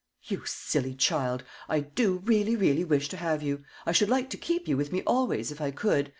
"You silly child! I do really, really wish to have you. I should like to keep you with me always, if I could.